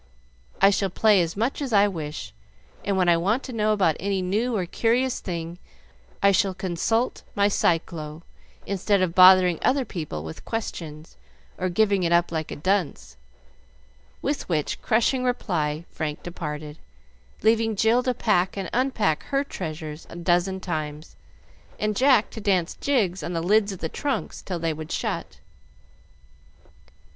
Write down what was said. I shall play as much as I wish, and when I want to know about any new or curious thing, I shall consult my Cyclo, instead of bothering other people with questions, or giving it up like a dunce;" with which crushing reply Frank departed, leaving Jill to pack and unpack her treasures a dozen times, and Jack to dance jigs on the lids of the trunks till they would shut.